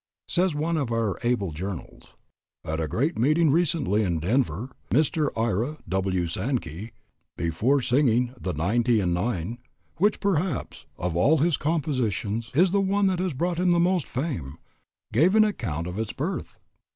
Says one of our able journals: "At a great meeting recently in Denver, Mr. Ira W. Sankey, before singing 'The Ninety and Nine,' which, perhaps, of all his compositions is the one that has brought him the most fame, gave an account of its birth.